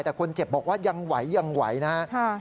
แต่คนเจ็บบอกว่ายังไหวยังไหวนะครับ